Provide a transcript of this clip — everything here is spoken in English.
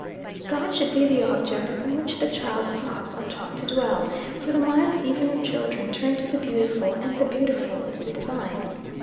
God should be the object upon which the child's thoughts are taught to dwell for the minds even of children turn to the beautiful, and the beautiful is the Divine.